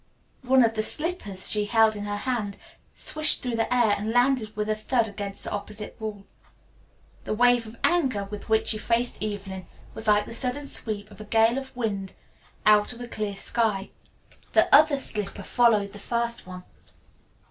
One of the slippers she held in her hand swished through the air and landed with a thud against the opposite wall. The wave of anger with which she faced Evelyn was like the sudden sweep of a gale of wind out of a clear sky. The other slipper followed the first one.